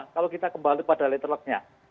kalau kita kembali pada letterlocknya